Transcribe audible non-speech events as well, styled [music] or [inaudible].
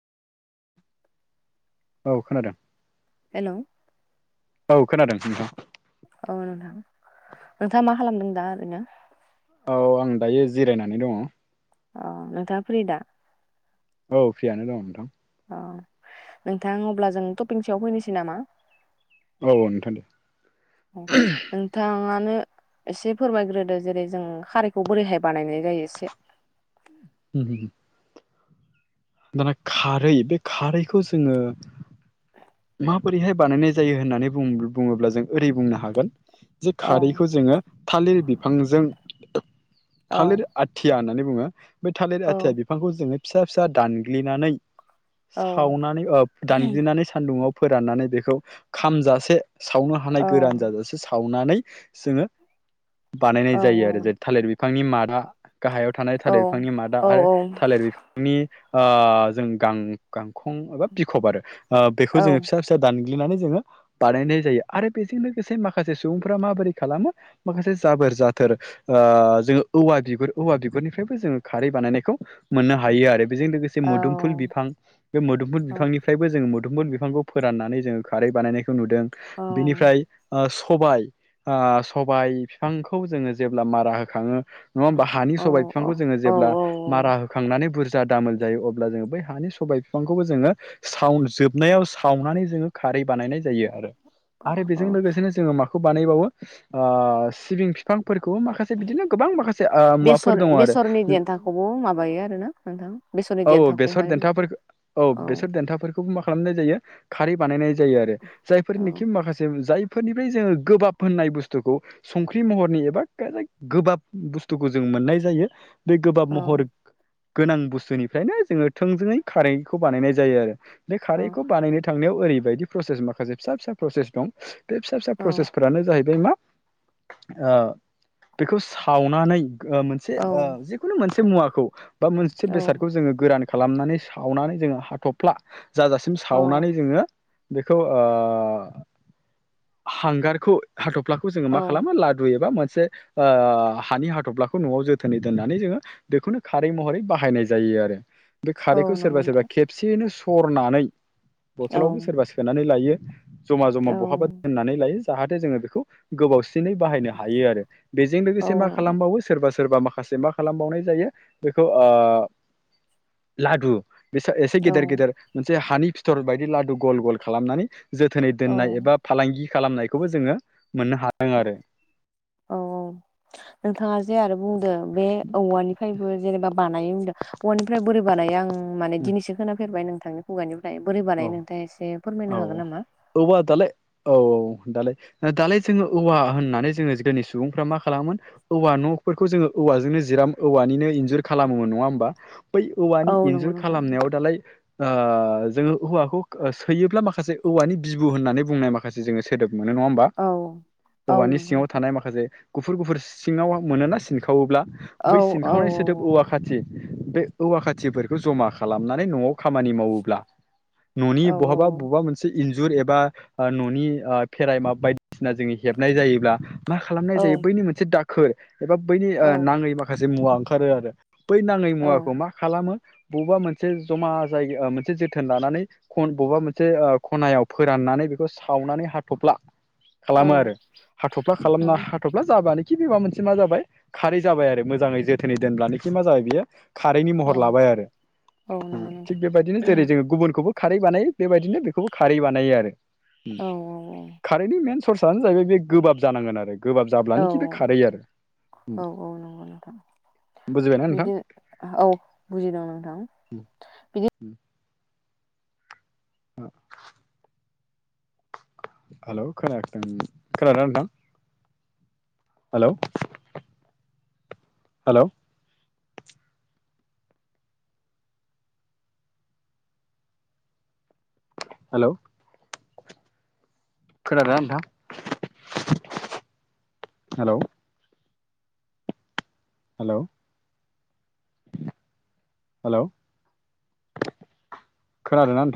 औ खोनादों। हेलौ औ खोनादों नोंथां। औ नोंथां नोंथाङा मा खालामदों दा ओरैनो? औ आं दायो जिरायनानै दङ। अ नोंथाङा फ्रि दा? औ फ्रियानो दं नोंथां। औ नोंथां अब्ला जों थफिखनि सायाव फैनोसै नामा? औ नोंथां दे [inaudible] अ नोंथाङा नो एसे फोरमायग्रोदो जेरै जों खारैखौ बोरैहाय बानायनाय जायो एसे। [unintelligible] दाना खारै बे खारैखौ जोङो माबोरैहाय बानायनाय जायो होननानै बुङोब्ला जों ओरै बुंनो हागोन। जे औ खारैखौ जोङो थालिर बिफांजों औ थालिर आथिया होननानै बुङो बे थालिर औ आथिया बिफांखौ जोङो फिसा फिसा दानग्लिनानै औ सावनानै दानग्लिनानै सान्दुंआव फोराननानै बेखौ खामजासे सावनो हानाय औ गोरान जाजासे सावनानै जोङो बानायनाय औ जायो आरो जे थालिर बिफांनि मादा गाहायाव थानाय थालिर बिफांनि मादा औ औ आरो थालिर बिफांनि ओ जों गां गांखं एबा बिखब आरो ओ बेखौ जोङो फिसा फिसा दान ग्लिनानै जोङो बानायनाय जायो आरो बेजों लोगोसे माखासे सुबुंफोरा माबोरै खालामो माखासे जाबोद जाथोर ओ जोङो औवा बिगुर औवा बिगुरनिफ्रायबो जोङो खारै बानायनायखौ मोननो हायो आरो। बेजों लोगोसे औ मोदोमफुल बिफां बे मोदोमफुल बिफांनिफ्रायबो जोङो दुबमोन बिफांखौ फोराननानै जोङो खारै बानायनायखौ नुदों बेनिफ्राय ओ सबाइ सबाइ फिफांखौ जोङो जेब्ला मारा होखाङो नङा होमबा हानि सबाइ फिफांखौ जोङो औ जेब्ला मारा होखांनानै बुरज जा दामोल जायो अब्ला जोङो बै हानि सबाइ फिफांखौबो जोङो साव जोब नायाव सावनानै जोङो खारै बानायनाय जायो आरो आरो बेजों औ लोगोसेनो जोङो माख खौ बानायबावो सिबिं फिफां फोरखौबो माखासे बिदिनो गोबां माखासे ओ मुवाफोर बेसर दङ आरो। बेसरनि देन्थाखौबो माबायो आरोना नोंथां बेसरनि औ औ बेसर देन्थाखौहाय देन्थाफोरखो औ बेसर देन्थाफोरखौबो मा खालामनाय जायो खारि बानायनाय जायो आरो जायफोरनिखि औ माखासे जाय फोरनिफ्राय जोङो गोबाब होननाय बुस्थुखौ संख्रि महरनि एबा गोबाब बुस्थुखौ जों मोननाय जायो बे गोबाब औ महर गोनां बुस्थुनि फ्रायनो जोङो थोंजोङै खारैखौ बानायनाय जायो आरो बे औ खारैखौ बानायनो थांनायाव ओरै बायदि प्रसेस माखासे फिसा फिसा प्रसेस दं बे फिसा फिसा औ प्रसेसफ्रानो जाहैबाय मा ओ बेखौ सावनानै ओ मोनसे औ ओ जिखुनु मोनसे मुवाखौ बा मोनसे औ बेसाद गोरान खालामनानै सावनानै जोङो हाथफ्ला जाजासिम औ सावनानै जोङो बेखौ ओ हांगारखौ हाथ फ्लाखौ जोङो औ मा खालामो लादु एबा मोन से ओ हानि हाथफ्लाखौ नआव जोथोनै दोननानै जोङो बेखौनो खारै महरै बाहायनाय जायो आरो बे औ खारैखौ सोरबा नंगौ सोरबा नोंथां खेबसेयैनो सरनानै औ बथलावबो सोरबा सोनानै लायो जमा औ जमा बहाबा दोननानै लायो। जाहाथे जोङो बेखौ गोबावसिनै बाहायनो हायो आरो बेजों औ लोगोसे मा खालामबावो सोरबा सोरबा माखासे मा खालामबावनाय जायो बेखौ ओ लादु बे सा एसे औ गेदेर गेदेर मोनसे हानि फिथर बायदि लादु गल गल खालामनानै जोथोनै औ दोननाय एबा फालांगि खालामनायखौबो जोङो मोननो हादों आरो औ औ नोंथाङा जे आरो बुंदों बे औवानिफ्रायबो जेनेबा बानायो होनदों औवानिफ्राय बोरै बानायो आं माने दिनैसो खाेफेरबाय नोंथांनि खुगानि फ्राय बोरै बानाय औ नोंथाङा एसे फोरमायनो औ हागोन नामा? औवा दालाय औ दालाय दालाय जोङो औवा होननानै जोङो जोंनि सुबुंफ्रा मा खालामोन औवा नफोरखौ जोङो औ औवाजोंनो जिराम औवानिनो इनज जुर खालामोमोन नङा होमबा बै औ औवानि नंगौ इन्जुर नोंथां खालामनायाव दालाय ओ जोङो औवाखौ सोयोब्ला माखासे औवानि बिबु होननानै बुंनाय माखासे जोङो सोदोब मोनो नङा होमबा औ औ हौवानि नंगौ सिङाव नोंथां थानाय माखासे गुफुर गुफुर सिङाव मोनोना सिनखावोब्ला औ बै औ सिनखावनाय सोदोब औवा खाथि बे औवा खाथिफोरखौ जमा खालामनानै नआव खामानि मावोब्ला ननि औ बहाबा बबेबा मोनसे इन जुर एबा ओ ननि ओ खेराइ मा बायदिसिना जोङि हेबनाय जायोब्ला मा खालामनाय औ जायो बैनि मोनसे दाखोर एबा बैनि औ ओ नाङै माखासे मुवा ओंखारो आरो बै नाङै औ मुवाखौ मा खालामो बबेबा मोनसे जमा जायगा मोनसे जोथोन लानानै खन बबेबा मोनसे ओ खनायाव फोराननानै बेखौ सावनानै हाथफ्ला औ खालामो आरो हाथफ्ला खालामना औ हाथफ्ला जाबानो खि बेबा मोनसे मा जाबाय खारि जाबाय आरो मोजाङै जोथोनै दोनब्लानो खि मा जाबाय बियो खारैनि महर औ लाबाय आरो औ ओ नंगौ थिग नोंथां बेबायदिनो जेरै जोङो गुबुनखौबो खारै बानायो बेबायदिनो बेखौबो खारै बानायो आरो उम औ औ खारैनि मेन सर्स आनो जाहैबाय बे गोबाब जानांगोन आरो। गोबाब औ जाब्लानो खि बे खारै आरो उम। बिदिनो ओ औ बुजिदों नोंथां बिदि हेल' खोनाखदों खोनादों ना नोंथां? हेल' हेल'। हेल'। खोनादों ना नोंथां? हेल'। हेल'। हेल' खोनादों ना नोंथां?